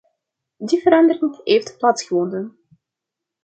Die verandering heeft plaatsgevonden.